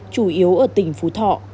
chủ yếu ở tỉnh phú thọ